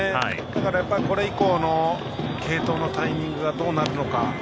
だから、これ以降の継投のタイミングがどうなるのか。